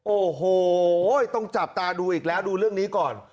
โอ้โหต้องจับตาดูอีกแล้วดูเรื่องนี้ก่อน